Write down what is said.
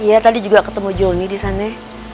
iya tadi juga ketemu joni disana